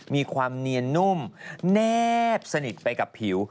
มีความเนียนนุ่มแนบสนิทไปกับผิว